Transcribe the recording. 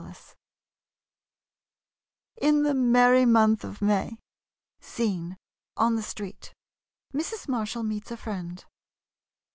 40 IN THE MERRY MONTH OF MAY Scene — On the street. Mrs. Marshall meets a friend.